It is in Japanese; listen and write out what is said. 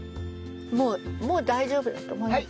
もう大丈夫だと思います。